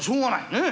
ねえ。